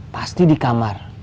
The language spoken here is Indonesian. pasti di kamar